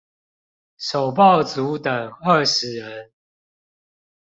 首報族等二十人